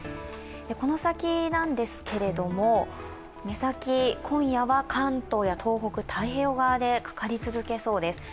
この先なんですけれども、今夜は関東や東北、太平洋側でかかり続けそうです。